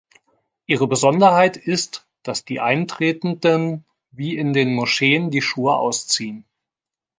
Ihre Besonderheit ist, dass die Eintretenden wie in den Moscheen die Schuhe ausziehen.